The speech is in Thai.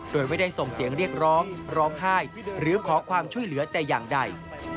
โดยไม่ได้ส่งเสียงเรียกร้องร้องไห้หรือขอความช่วยเหลือแต่อย่างใด